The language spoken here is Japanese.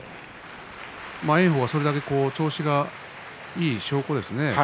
炎鵬はそれだけ調子がいい証拠ですね。